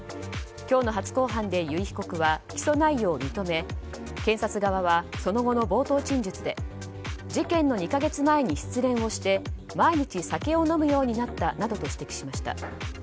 今日の初公判で由井被告は起訴内容を認め、検察側はその後の冒頭陳述で事件の２か月前に失恋をして毎日酒を飲むようになったなどと説明しました。